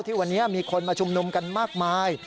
วันนี้มีคนมาชุมนุมกันมากมาย